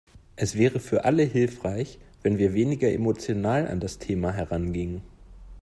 Es wäre für alle hilfreich, wenn wir weniger emotional an das Thema herangingen.